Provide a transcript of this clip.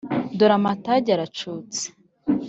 Dore amatage aracutse